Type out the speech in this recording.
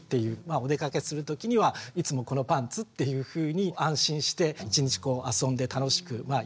お出かけするときにはいつもこのパンツっていうふうに安心して一日遊んで楽しくいられる。